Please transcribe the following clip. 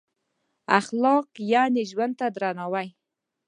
اخلاق یعنې ژوند ته درناوی.